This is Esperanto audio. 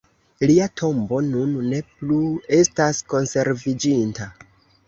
Lia tombo nun ne plu estas konserviĝinta.